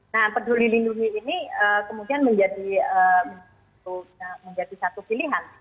nah peduli lindungi ini kemudian menjadi satu pilihan